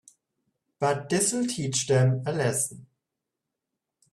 But this'll teach them a lesson.